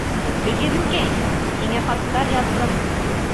Гөлйөҙөмкәй, һиңә хаттар яҙҙым